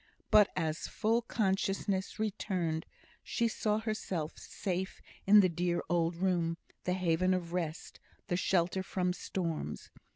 But as full consciousness returned, she saw herself safe in the dear old room the haven of rest the shelter from storms.